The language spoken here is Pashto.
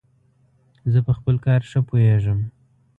زه په خپل کار ښه پوهیژم.